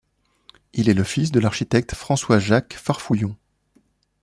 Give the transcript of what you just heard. Il est le fils de l’architecte François-Jacques Farfouillon.